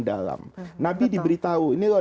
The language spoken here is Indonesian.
dalam nabi diberitahu ini loh